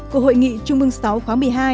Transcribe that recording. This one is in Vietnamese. của hội nghị trung bương sáu khoáng một mươi hai